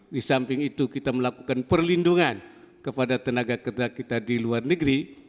di samping itu kita melakukan perlindungan kepada tenaga kerja kita di luar negeri